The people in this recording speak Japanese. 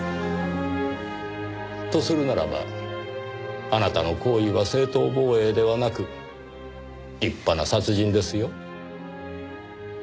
とするならばあなたの行為は正当防衛ではなく立派な殺人ですよ。